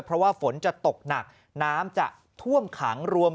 เพราะว่าฝนจะตกหนักน้ำจะท่วมขังรวม